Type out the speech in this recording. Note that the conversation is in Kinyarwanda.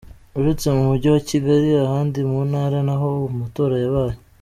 Uretse mu Mujyi wa Kigali, ahandi mu ntara na ho amatora yabaye.